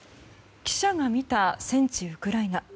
記者が見た、戦地ウクライナ。